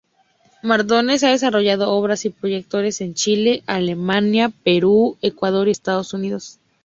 Mardones ha desarrollado obras y proyectos en Chile, Alemania, Perú, Ecuador y Estados Unidos.